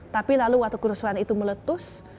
tapi lalu waktu kerusuhan itu meletus